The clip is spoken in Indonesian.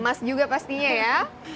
emas juga pastinya ya